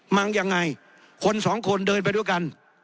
มายังไงคนสองคนเดินไปด้วยกัน